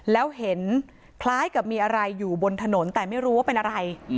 แล้วเห็นคล้ายกับมีอะไรอยู่บนถนนแต่ไม่รู้ว่าเป็นอะไร